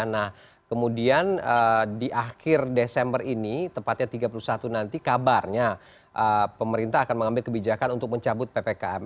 nah kemudian di akhir desember ini tepatnya tiga puluh satu nanti kabarnya pemerintah akan mengambil kebijakan untuk mencabut ppkm